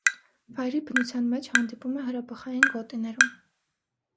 Վայրի բնության մեջ հանդիպում է հրաբխային գոտիներում։